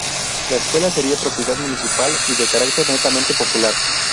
La escuela sería propiedad municipal y de carácter netamente popular.